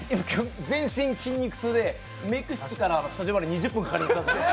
全身筋肉痛でメーク室から、スタジオまで２０分かかりました。